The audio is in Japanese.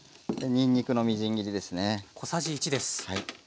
にんにくのみじん切りですね。